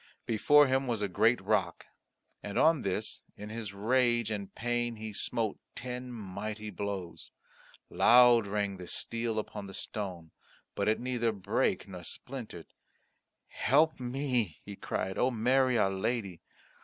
Before him was a great rock and on this in his rage and pain he smote ten mighty blows. Loud rang the steel upon the stone; but it neither brake nor splintered. "Help me," he cried, "O Mary, our Lady.